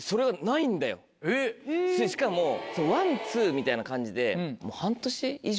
しかもワンツーみたいな感じでもう半年以上？